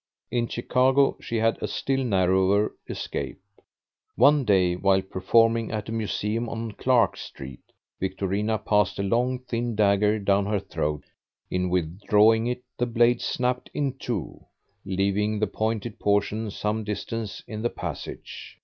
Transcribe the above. In Chicago she had a still narrower escape. One day while performing at a museum on Clark Street, Victorina passed a long thin dagger down her throat. In withdrawing it, the blade snapped in two, leaving the pointed portion some distance in the passage.